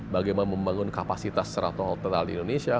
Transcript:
bagaimana membangun kapasitas seratus total di indonesia